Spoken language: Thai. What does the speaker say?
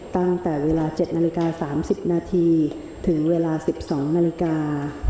ตั้งแต่เวลา๗นาฬิกา๓๐นาทีถึงเวลา๑๒นาฬิกา